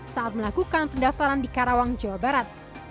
saat melakukan pendaftaran di karawang jawa barat